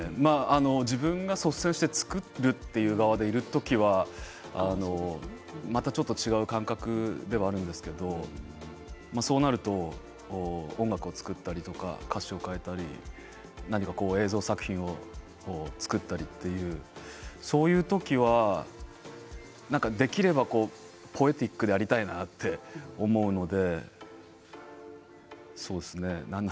自分が率先して作るという側でいる時はまたちょっと違う感覚ではあるんですけれどそうなると音楽を作ったりとか歌詞を書いたり映像作品を作ったりっていうそういう時はできればポエティックでありたいなと思うので。